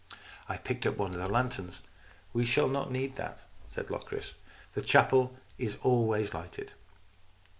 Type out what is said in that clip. I picked up one of the lanterns. " We shall not need that," said Locris. " The chapel is always lighted."